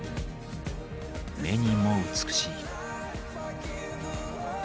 目にも美しい。